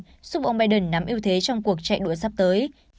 giúp ông biden nắm ưu thế trong cuộc chạy đua sắp tới